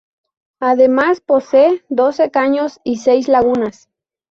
Además posee doce caños y seis lagunas.